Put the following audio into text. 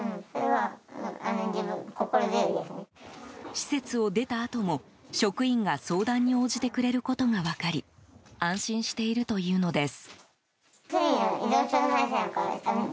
施設を出たあとも、職員が相談に応じてくれることが分かり安心しているというのです。